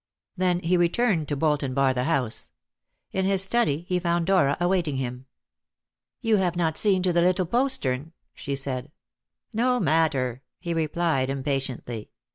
Then he returned to bolt and bar the house. In his study he found Dora awaiting him. "You have not seen to the little postern," she said. "No matter," he replied impatiently.